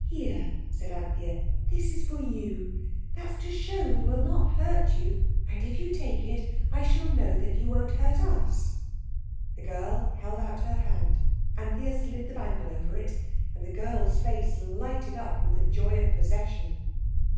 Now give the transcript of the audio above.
"Here," said Anthea, "this is for you. That is to show we will not hurt you. And if you take it I shall know that you won't hurt us." The girl held out her hand. Anthea slid the bangle over it, and the girl's face lighted up with the joy of possession.